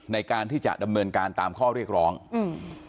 ในการที่จะดำเนินการตามข้อเรียกร้องอืม